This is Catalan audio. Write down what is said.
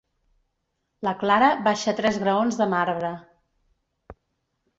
La Clara baixa tres graons de marbre.